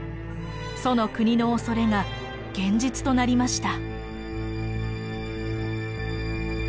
楚の国の恐れが現実となりました。